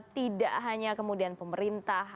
tidak hanya kemudian pemerintah